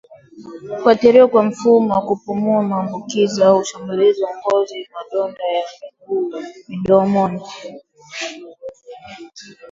kuathiriwa kwa mfumo wa kupumua maambukizi au ushambulizi wa ngozi madonda ya miguu midomo